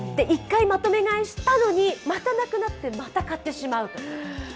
１回、まとめ買いしたのに、またなくなってまた買ってしまうという。